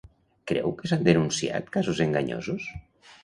Creu que s'han denunciat casos enganyosos?